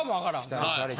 期待されて。